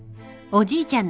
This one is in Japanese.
おじいちゃん。